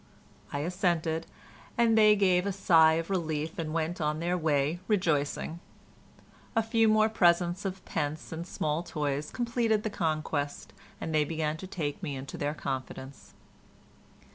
I assented, and they gave a sigh of relief and went on their way rejoicing. A few more presents of pence and small toys completed the conquest, and they began to take me into their confidence.